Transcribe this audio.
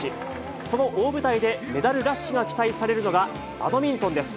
その大舞台でメダルラッシュが期待されるのが、バドミントンです。